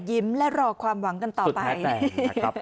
ยิ้มและรอความหวังกันต่อไปสุดแท้แต่ครับขอให้